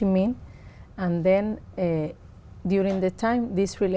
và nó rất thú vị